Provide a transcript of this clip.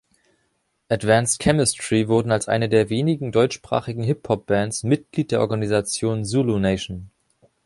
Advanced Chemistry wurden als eine der wenigen deutschsprachigen Hip-Hop-Bands Mitglied der Organisation Zulu Nation.